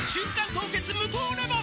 凍結無糖レモン」